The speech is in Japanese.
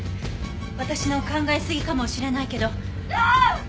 私の考えすぎかもしれないけど。